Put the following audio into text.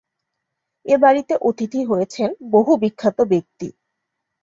এ বাড়িতে অতিথি হয়েছেন বহু বিখ্যাত ব্যক্তি।